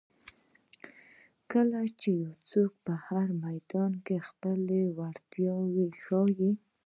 کله چې یو څوک په هر میدان کې خپله وړتیا ښایي.